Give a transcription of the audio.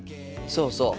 そうそう。